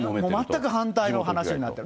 全く反対の話になってる。